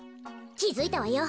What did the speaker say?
きづいたわよ。